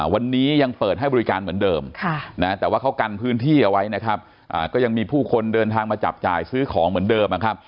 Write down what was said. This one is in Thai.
วันนี้ยังเปิดให้บริการเหมือนเดิมแต่ว่าเขากันพื้นที่เอาไว้นะครับก็ยังมีผู้คนเดินทางมาจับจ่ายซื้อของเหมือนเดิมนะครับ